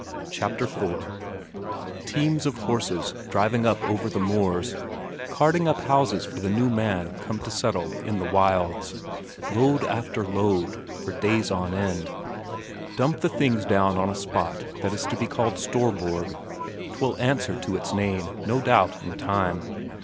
Chapter IV Teams of horses driving up over the moors, carting up houses for the new man come to settle in the wilds; load after load, for days on end. Dump the things down on a spot that is to be called Storborg; 'twill answer to its name, no doubt, in time.